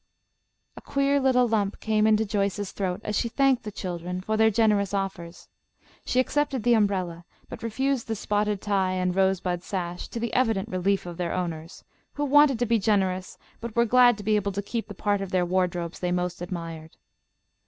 A queer little lump came into Joyce's throat as she thanked the children for their generous offers. She accepted the umbrella, but refused the spotted tie and rosebud sash, to the evident relief of their owners, who wanted to be generous, but were glad to be able to Keep the part of their wardrobes they most admired.